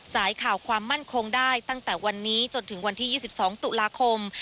สายข่าวความมั่นคงได้ตั้งแต่วันนี้จนถึงวันที่๒๒ตุลาคม